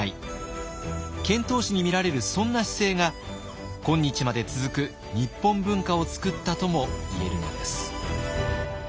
遣唐使に見られるそんな姿勢が今日まで続く日本文化を作ったとも言えるのです。